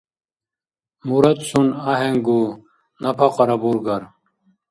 Мурадцун ахӏенгу, напакьара бургар?